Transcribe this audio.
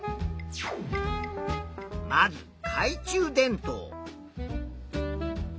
まずかい中電灯。